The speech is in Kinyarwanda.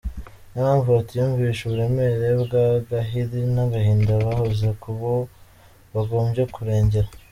Niyo mpamvu batiyumvisha uburemere bw’agahiri n’agahinda bahoza kubo bagombywe kurengera.